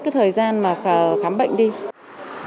quốc gia về dịch vụ